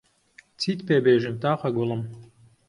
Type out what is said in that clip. چیت پێ بێژم تاقە گوڵم